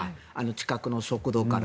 近くの食堂から。